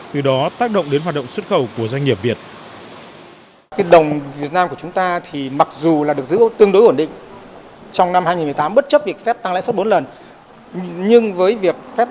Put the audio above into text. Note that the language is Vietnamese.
từ đó tác động đến hoạt động xuất khẩu của doanh nghiệp việt